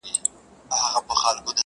د شناخته صاحب د وخت خاطرې